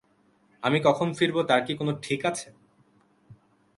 আমি কখন ফিরব, তার কি কোনো ঠিক আছে?